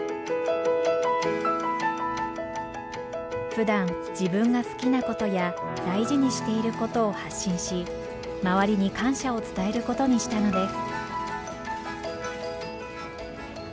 ふだん自分が好きなことや大事にしていることを発信し周りに感謝を伝えることにしたのです。